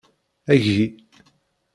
Agi.